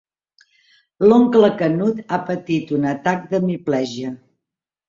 L'oncle Canut ha patit un atac d'hemiplegia.